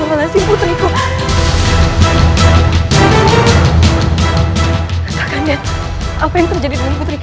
apa yang terjadi